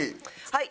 はい。